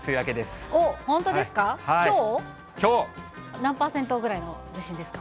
何％ぐらいの自信ですか？